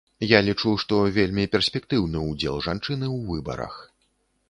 Я лічу, што вельмі перспектыўны ўдзел жанчыны ў выбарах.